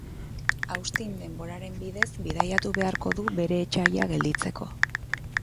Austin denboraren bidez bidaiatu beharko du bere etsaia gelditzeko.